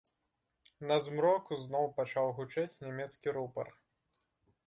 На змроку зноў пачаў гучэць нямецкі рупар.